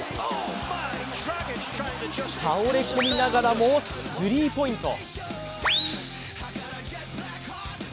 倒れ込みながらもスリーポイント。